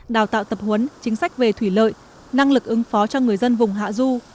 đào tạo tập huấn chính sách về thủy lợi năng lực ứng phó cho người dân vùng hạ du